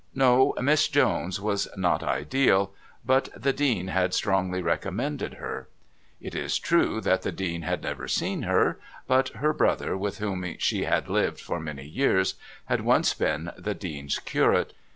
No, Miss Jones was not ideal, but the Dean had strongly recommended her. It is true that the Dean had never seen her, but her brother, with whom she had lived for many years, had once been the Dean's curate.